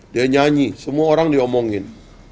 dia nyanyi semua orang diomongin